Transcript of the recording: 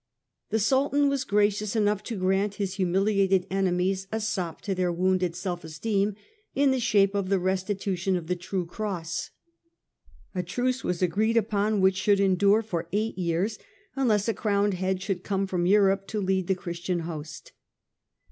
The Sultan was gracious enough to grant his humiliated enemies a sop to their wounded self esteem in the shape of the restitution of the true Cross. A truce was agreed upon which should endure for eight years, unless a crowned head should come from Europe to lead the Christian host.